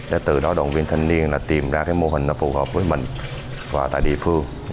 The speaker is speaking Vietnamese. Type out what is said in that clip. để từ đó đoàn viên thanh niên tìm ra cái mô hình phù hợp với mình và tại địa phương